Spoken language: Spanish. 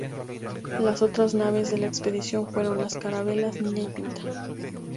Las otras dos naves de la expedición fueron las carabelas "Niña" y "Pinta".